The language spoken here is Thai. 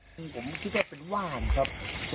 คือผมคิดว่าเป็นว่านครับ